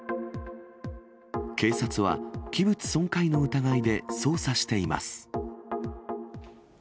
警察は器物損壊の疑いで捜査しています。